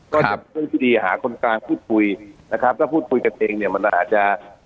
ก็เป็นเรื่องที่ดีหาคนกลางพูดคุยนะครับถ้าพูดคุยกันเองเนี่ยมันอาจจะ